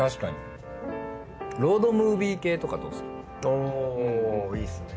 おいいっすね。